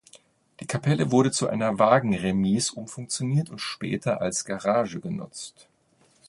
Die Kapelle wurde zu einer Wagenremise umfunktioniert und später als Garage genutzt.